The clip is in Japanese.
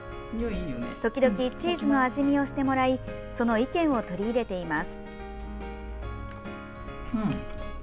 時々、チーズの味見をしてもらいその意見を取り入れています。